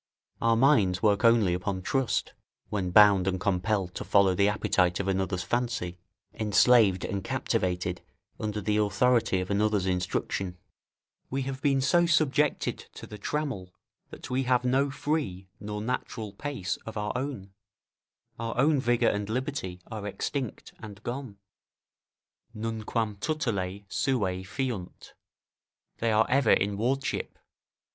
Our minds work only upon trust, when bound and compelled to follow the appetite of another's fancy, enslaved and captivated under the authority of another's instruction; we have been so subjected to the trammel, that we have no free, nor natural pace of our own; our own vigour and liberty are extinct and gone: "Nunquam tutelae suae fiunt." ["They are ever in wardship."